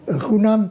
ở khu năm